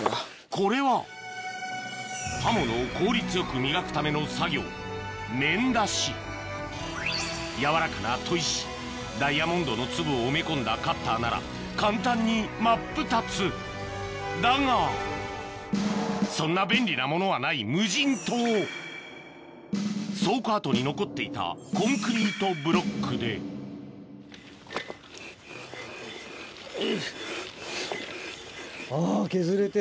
これは刃物を効率よく磨くための作業やわらかな砥石ダイヤモンドの粒を埋め込んだカッターなら簡単に真っ二つだがそんな便利なものはない無人島倉庫跡に残っていたコンクリートブロックでよいしょ。